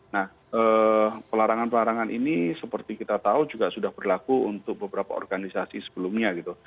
nah pelarangan pelarangan ini seperti kita tahu juga sudah berlaku untuk beberapa organisasi sebelumnya gitu